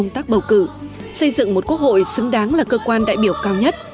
công tác bầu cử xây dựng một quốc hội xứng đáng là cơ quan đại biểu cao nhất